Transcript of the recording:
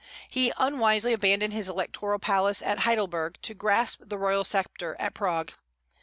He unwisely abandoned his electoral palace at Heidelberg, to grasp the royal sceptre at Prague.